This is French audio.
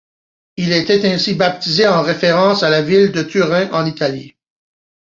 Il a été ainsi baptisé en référence à la ville de Turin, en Italie.